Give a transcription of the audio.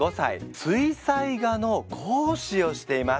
水彩画の講師をしています。